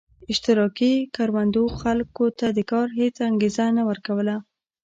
اشتراکي کروندو خلکو ته د کار هېڅ انګېزه نه ورکوله